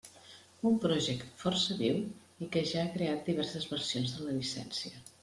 Un project força viu i que ja ha creat diverses versions de la llicència.